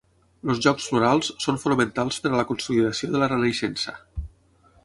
Els Jocs Florals són fonamentals per a la consolidació de la Renaixença.